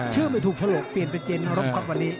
ชื่อไม่ถูกฉลกเปลี่ยนไปเจนรบกับวันนี้